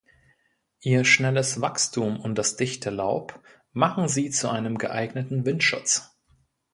Ihr schnelles Wachstum und das dichte Laub machen sie zu einem geeigneten Windschutz.